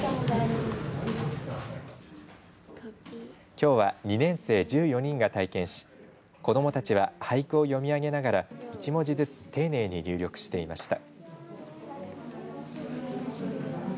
きょうは２年生１４人が体験し子どもたちは俳句を読み上げながら１文字ずつ丁寧に入力していました。